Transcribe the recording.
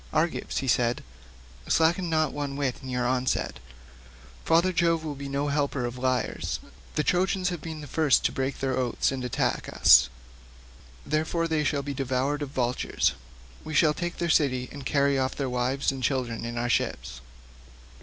"Argives," said he, "slacken not one whit in your onset; father Jove will be no helper of liars; the Trojans have been the first to break their oaths and to attack us; therefore they shall be devoured of vultures; we shall take their city and carry off their wives and children in our ships."